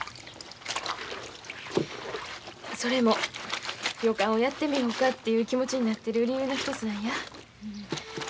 それも旅館をやってみよかっていう気持ちになってる理由の一つなんや。